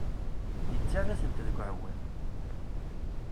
Yettarra-tent deg uɛewwiq.